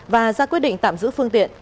và ra quyết định tạm giữ phương tiện